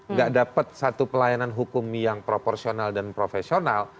nggak dapat satu pelayanan hukum yang proporsional dan profesional